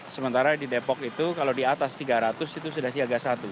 sementara di depok itu kalau di atas tiga ratus itu sudah siaga satu